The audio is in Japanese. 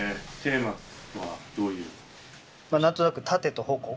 何となく盾と矛。